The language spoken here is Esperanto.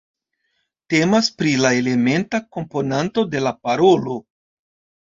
Temas pri la elementa komponanto de la parolo.